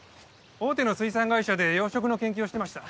大手の水産会社で養殖の研究をしてました。